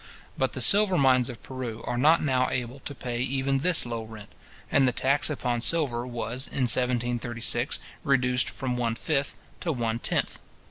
But the silver mines of Peru are not now able to pay even this low rent; and the tax upon silver was, in 1736, reduced from one fifth to one tenth.